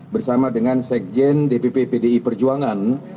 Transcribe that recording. bersama dengan sekjen dpp pdi perjuangan